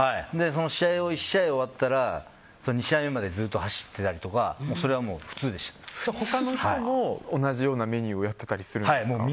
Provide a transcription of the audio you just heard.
その試合、１試合が終わったら２試合目までずっと走ってたりとか他の人も同じようなメニューをやってたりするんですか。